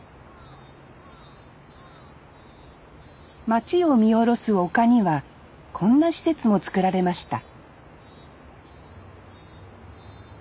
町を見下ろす丘にはこんな施設も作られました